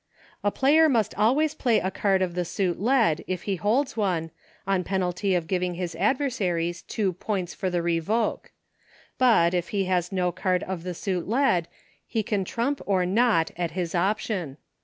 A player must always play a card of the suit led, if he holds one, on penalty of giving his adversaries two points for the revoke. But, if he has no card of the suit led, he can trump or not at his option.